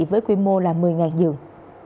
với quy mô là một mươi dường